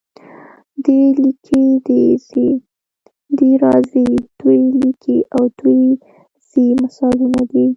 دی لیکي، دی ځي، دی راځي، دوی لیکي او دوی ځي مثالونه دي.